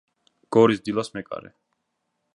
გორის „დილას“ მეკარე.